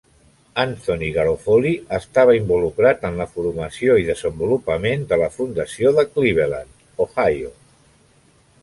Anthony Garofoli estava involucrat en la formació i desenvolupament de la fundació de Cleveland, Ohio.